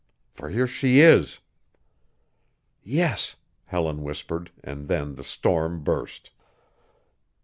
For here she is." "Yes," Helen whispered, and then the storm burst.